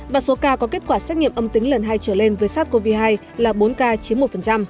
và số ca có kết quả xét nghiệm âm tính lần hai trở lên với sars cov hai là bốn ca chiếm một